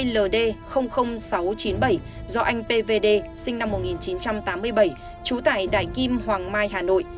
hai mươi ld sáu trăm chín mươi bảy do anh pvd sinh năm một nghìn chín trăm tám mươi bảy trú tại đại kim hoàng mai hà nội